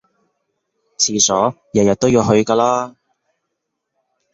廁所日日都要去㗎啦